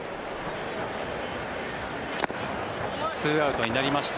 ２アウトになりました。